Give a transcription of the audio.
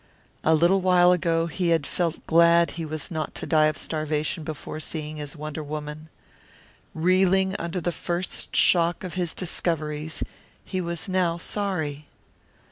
A little while ago he had felt glad he was not to die of starvation before seeing his wonder woman. Reeling under the first shock of his discoveries he was now sorry.